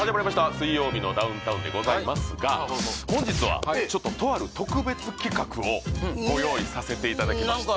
水曜日のダウンタウンでございますが本日はちょっととある特別企画をご用意させていただきましたね